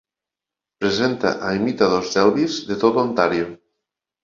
Presenta a imitadors d'Elvis de tot Ontario.